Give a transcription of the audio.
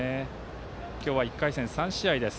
今日は１回戦３試合です。